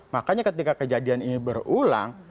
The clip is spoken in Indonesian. makanya ketika kejadian ini berulang